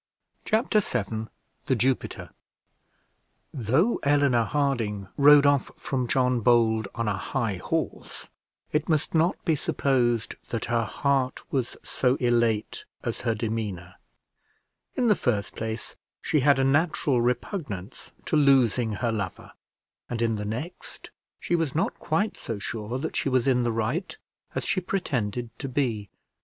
Chapter VII THE JUPITER Though Eleanor Harding rode off from John Bold on a high horse, it must not be supposed that her heart was so elate as her demeanour. In the first place, she had a natural repugnance to losing her lover; and in the next, she was not quite so sure that she was in the right as she pretended to be.